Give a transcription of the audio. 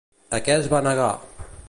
A què es va negar?